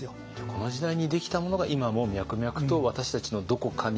この時代にできたものが今も脈々と私たちのどこかに。